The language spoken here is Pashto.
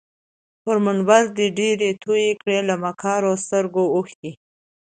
پر منبر دي ډیري توی کړې له مکارو سترګو اوښکي